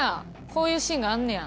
こういうシーンがあんねや。